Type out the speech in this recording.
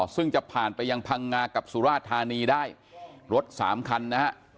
ซึ่งจะผ่านไปยังพังงากับสุราชธานีได้รถสามคันนะฮะ